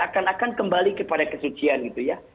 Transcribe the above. akan akan kembali kepada kesucian gitu ya